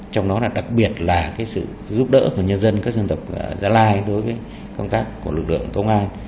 trong đó đặc biệt là sự giúp đỡ của nhân dân các dân tộc gia lai đối với công tác của lực lượng công an